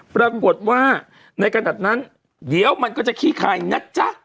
ปรากฏว่าในขณะนั้นเดี๋ยวมันก็จะขี้คายนะจ๊ะ